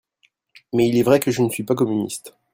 Mais il est vrai que je ne suis pas communiste